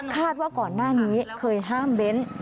ว่าก่อนหน้านี้เคยห้ามเบ้น